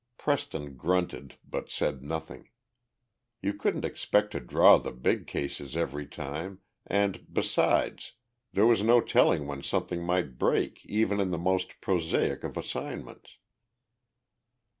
Preston grunted, but said nothing. You couldn't expect to draw the big cases every time, and, besides, there was no telling when something might break even in the most prosaic of assignments.